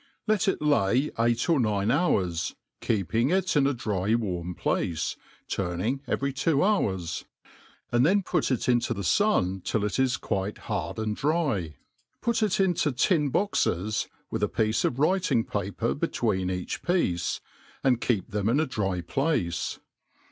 Let it lay eight or nine hours, keeping it in a dry warm place, turning every twd hours ; and then put it into the fun till it is quite hard and dry. Put it into tin boxes, with a piece of writing paper between each piece, and keep them in a dry place.